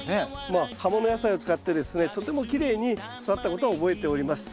まあ葉もの野菜を使ってですねとてもきれいに育ったことは覚えております。